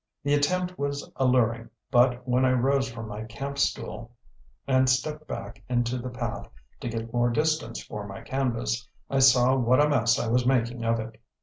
The attempt was alluring, but when I rose from my camp stool and stepped back into the path to get more distance for my canvas, I saw what a mess I was making of it.